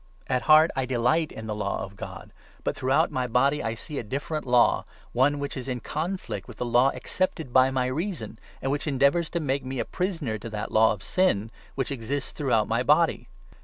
At heart I delight in the Law of God ; but throughout 22, my body I see a different law, one which is in conflict with the law accepted by my reason, and which endeavours to make me a prisoner to that law of Sin which exists throughout my body.